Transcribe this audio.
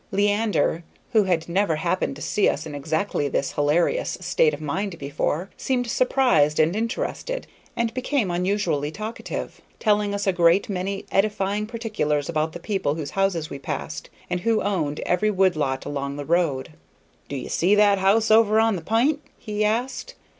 Leander, who had never happened to see us in exactly this hilarious state of mind before, seemed surprised and interested, and became unusually talkative, telling us a great many edifying particulars about the people whose houses we passed, and who owned every wood lot along the road. "Do you see that house over on the pi'nt?" he asked.